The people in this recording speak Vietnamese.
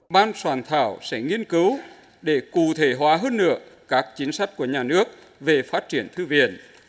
ban soạn thảo sẽ nghiên cứu để cụ thể hóa hơn nữa các chính sách của nhà nước về phát triển thư viện